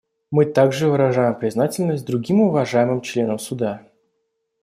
Мы также выражаем признательность другим уважаемым членам Суда.